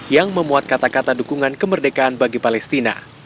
yang memuat kata kata dukungan kemerdekaan bagi palestina